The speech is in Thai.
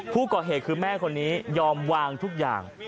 ผู้ก่อเหตุคือแม่คนนี้ยอมวางทุกอย่าง